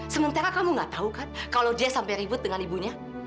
sementara kamu gak tahu kan kalau dia sampai ribut dengan ibunya